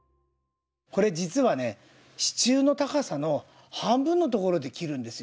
これ実はね支柱の高さの半分のところで切るんですよ。